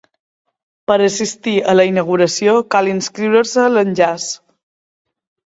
Per assistir a la inauguració cal inscriure's a l'enllaç.